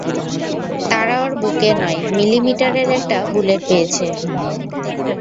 তারা ওর বুকে নয় মিলিমিটারের একটা বুলেট পেয়েছে।